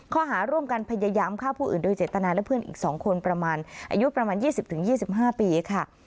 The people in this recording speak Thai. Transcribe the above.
ข้อหาร่วมกันพยายามฆ่าผู้อื่นโดยเจตนาและเพื่อนอีก๒คนประมาณอายุประมาณ๒๐๒๕ปีค่ะ